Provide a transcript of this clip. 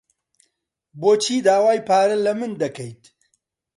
بۆچی داوای پارە لە من دەکەیت؟